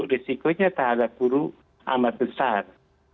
risikonya terhadap guru amat besar